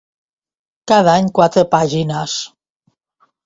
Cada any quatre pàgines.